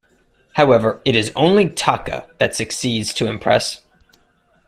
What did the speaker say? However, it is only Taka that succeeds to impress.